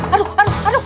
aduh aduh aduh